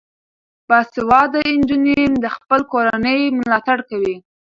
باسواده نجونې د خپلې کورنۍ ملاتړ کوي.